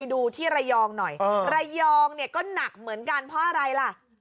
ดูที่ระยองหน่อยระยองเนี่ยก็หนักเหมือนกันเพราะอะไรล่ะ